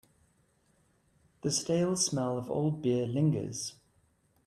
The stale smell of old beer lingers.